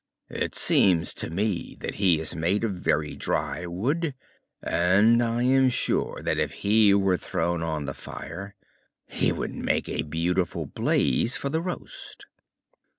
It seems to me that he is made of very dry wood and I am sure that if he were thrown on the fire he would make a beautiful blaze for the roast."